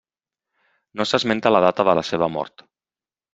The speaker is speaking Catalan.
No s'esmenta la data de la seva mort.